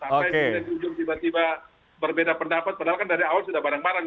sampai di ujung tiba tiba berbeda pendapat padahal kan dari awal sudah bareng bareng